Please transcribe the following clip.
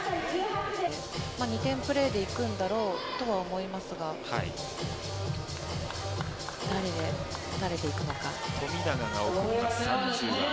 ２点プレーでいくんだろうとは思いますが誰でいくのか。